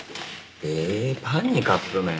ええパンにカップ麺？